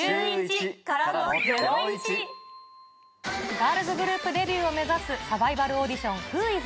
ガールズグループデビューを目指すサバイバルオーディション。